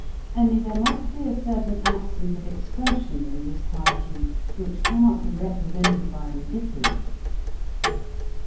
Only there must be a certain accent of expression in this quietude, which can not be represented by indifference.